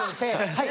はい！